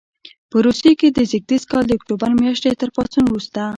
په روسیې کې د زېږدیز کال د اکتوبر میاشتې تر پاڅون وروسته.